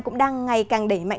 cũng đang ngày càng đẩy mạnh